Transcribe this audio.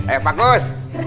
eh pak gus